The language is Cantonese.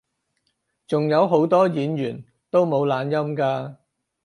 仲有好多演員都冇懶音㗎